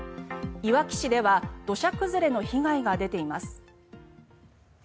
いわき市では土砂崩れの被害が出ています。